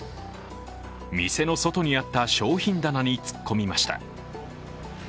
店の外にあった商品棚に突っ込みました。